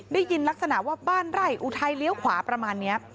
ได้ยินลักษณะว่าบ้านไร่อุทัยเลี้ยวขวาประมาณนี้